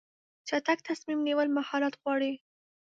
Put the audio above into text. چټک تصمیم نیول مهارت غواړي.